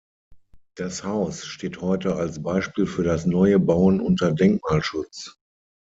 Das Haus steht heute als Beispiel für das Neue Bauen unter Denkmalschutz.